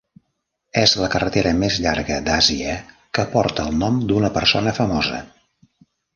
És la carretera més llarga d'Àsia que porta el nom d'una persona famosa.